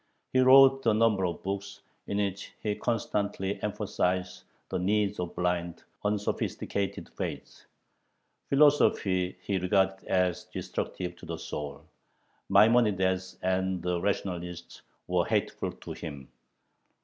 He wrote a number of books, in which he constantly emphasized the need of blind, unsophisticated faith. Philosophy he regarded as destructive to the soul; Maimonides and the rationalists were hateful to him.